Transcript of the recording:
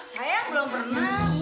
sayang belum pernah